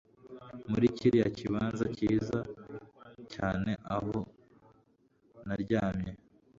muri kiriya kibanza cyiza cyane aho naryamye